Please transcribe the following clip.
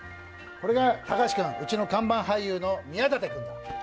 これが高橋君、うちの看板俳優の宮舘君だ。